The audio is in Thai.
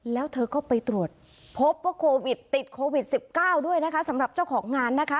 แล้วเธอก็ไปตรวจพบว่าโควิดติดโควิด๑๙ด้วยนะคะสำหรับเจ้าของงานนะคะ